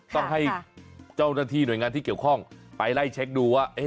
ต้องให้เจ้าหน้าที่หน่วยงานที่เกี่ยวข้องไปไล่เช็คดูว่า